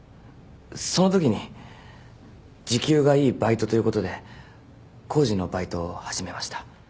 そのときに時給がいいバイトということで工事のバイトを始めました。